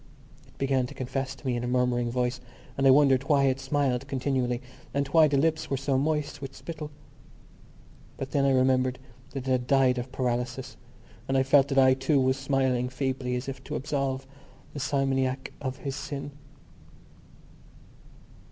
It began to confess to me in a murmuring voice and I wondered why it smiled continually and why the lips were so moist with spittle. But then I remembered that it had died of paralysis and I felt that I too was smiling feebly as if to absolve the simoniac of his sin.